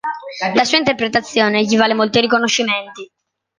La sua interpretazione gli vale molti riconoscimenti.